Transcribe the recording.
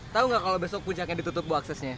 tahu gak kalau besok puncaknya ditutup bu aksesnya